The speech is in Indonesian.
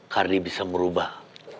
kardi bisa merubah